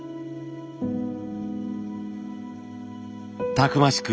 たくましく